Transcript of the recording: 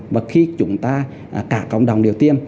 và khi chúng ta cả cộng đồng đều tiêm